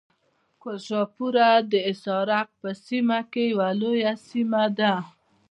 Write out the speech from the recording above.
کلشپوره د حصارک په سیمه کې یوه لویه سیمه ده.